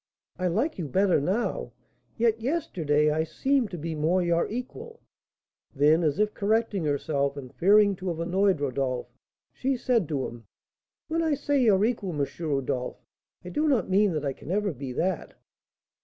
"I like you better now; yet yesterday I seemed to be more your equal." Then, as if correcting herself, and fearing to have annoyed Rodolph, she said to him, "When I say your equal, M. Rodolph, I do not mean that I can ever be that."